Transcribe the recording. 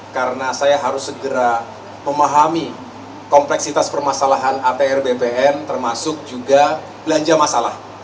karena saya harus segera memahami kompleksitas permasalahan atr bpn termasuk juga belanja masalah